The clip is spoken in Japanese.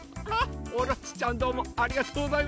オロチちゃんどうもありがとうございました！